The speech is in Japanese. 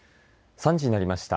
３時になりました。